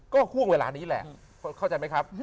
ก็ห่วงเวลานี้แหละเข้าใจไหมครับ